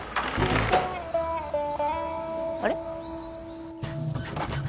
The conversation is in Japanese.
あれ？